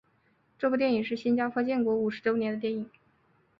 这部电影是新加坡建国五十周年电影。